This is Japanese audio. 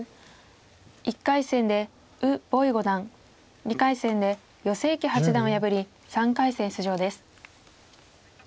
１回戦で呉柏毅五段２回戦で余正麒八段を破り３回戦出場です。